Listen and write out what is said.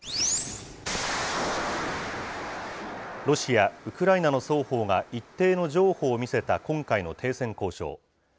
ロシア、ウクライナの双方が一定の譲歩を見せた今回の停戦交渉。